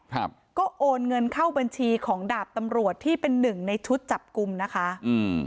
ครับก็โอนเงินเข้าบัญชีของดาบตำรวจที่เป็นหนึ่งในชุดจับกลุ่มนะคะอืม